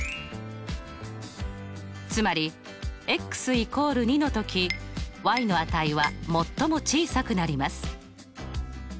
つまり＝２のときの値は最も小さくなります。